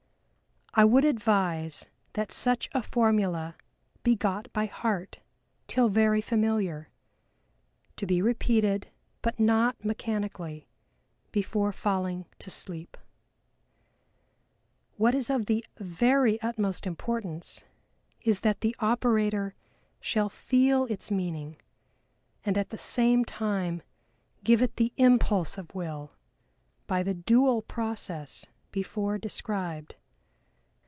I would advise that such a formula be got by heart till very familiar, to be repeated, but not mechanically, before falling to sleeps What is of the very utmost importance is that the operator shall feel its meaning and at the same time give it the impulse of Will by the dual process before described.